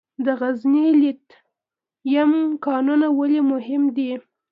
د غزني لیتیم کانونه ولې مهم دي؟